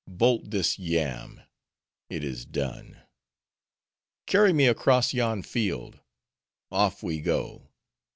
Bolt this yam!—it is done. Carry me across yon field!—off we go.